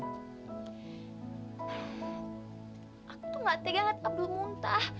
aku tuh nggak tegak lihat abdul muntah